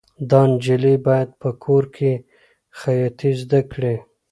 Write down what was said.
دا نجلۍ باید په کور کې خیاطي زده کړي.